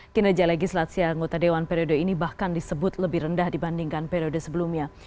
kinerja legislasi anggota dewan periode ini bahkan disebut lebih rendah dibandingkan periode sebelumnya